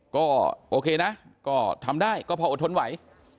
ก็โอเคนะก็ทำได้ก็พออดทนไหว